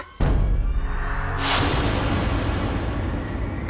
kamu yang baik ya